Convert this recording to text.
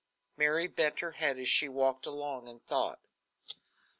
Mary bent her head as she walked along in thought.